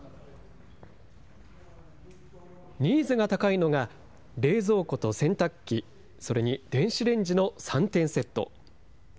ニーズが高いのが、冷蔵庫と洗濯機、それに電子レンジの３点セット。